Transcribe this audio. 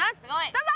どうぞ！